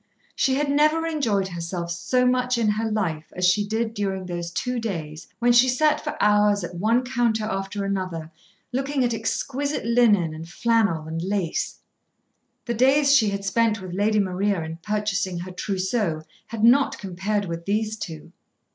She had never enjoyed herself so much in her life as she did during those two days when she sat for hours at one counter after another looking at exquisite linen and flannel and lace. The days she had spent with Lady Maria in purchasing her trousseau had not compared with these two.